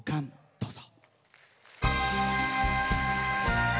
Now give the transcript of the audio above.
どうぞ。